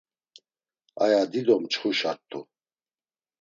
Aya dido mçxuşa rt̆u.